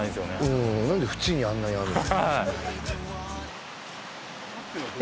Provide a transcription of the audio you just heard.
うん何で縁にあんなにあるの？